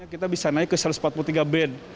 kita bisa naik ke satu ratus empat puluh tiga band